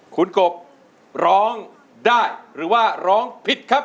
คุณกบร้องได้หรือว่าร้องผิดครับ